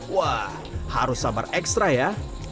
wah harus sabar ekstra ya